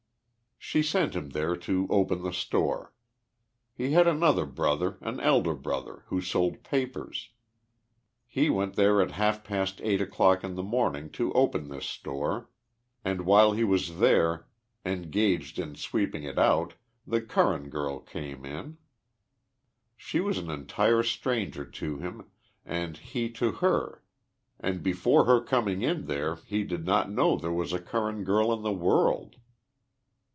She sent him there to open the store. He had another bi other, an elder brother, who sold papers. He went there at oS THE LIFE OF JESSE HARDIXG POMEROY. half past S o'clock in the morning to open this store and while he was there engaged in sweeping it out the Curran girl came in. She was an entire stranger to him and he to her and before her coming in there he did not know there was a Curran girl in the world.